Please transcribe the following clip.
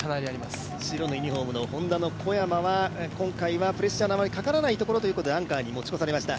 白のユニフォームのＨｏｎｄａの小山は今回はプレッシャーがあまりかからないところということでアンカーに持ち越されました。